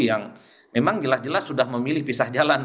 yang memang jelas jelas sudah memilih pisah jalan